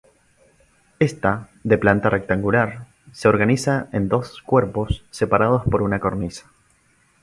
Esta, de planta rectangular, se organiza en dos cuerpos separados por una cornisa.